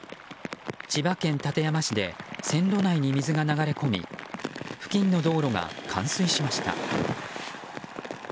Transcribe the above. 千葉県館山市で線路内に水が流れ込み付近の道路が冠水しました。